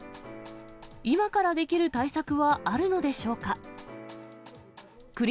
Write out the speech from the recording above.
今からできる対策はあるのでしょうか。